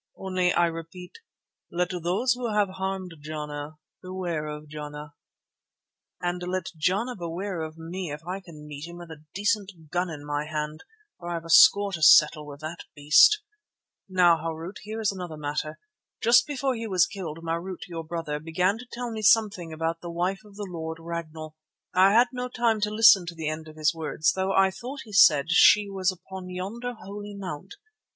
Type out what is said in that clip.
Only I repeat—let those who have harmed Jana beware of Jana." "And let Jana beware of me if I can meet him with a decent gun in my hand, for I have a score to settle with the beast. Now, Harût, there is another matter. Just before he was killed Marût, your brother, began to tell me something about the wife of the Lord Ragnall. I had no time to listen to the end of his words, though I thought he said that she was upon yonder Holy Mount.